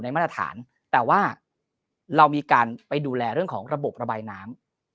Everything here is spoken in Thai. มาตรฐานแต่ว่าเรามีการไปดูแลเรื่องของระบบระบายน้ำ